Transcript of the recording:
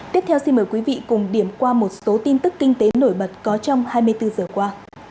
tiếp theo xin mời quý vị cùng điểm qua một số tin tức kinh tế nổi bật có trong hai mươi bốn giờ qua